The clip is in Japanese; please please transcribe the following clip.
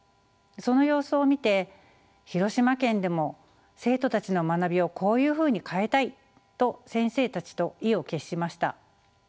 その様子を見て「広島県でも生徒たちの学びをこういうふうに変えたい！」と先生たちと意を決しました。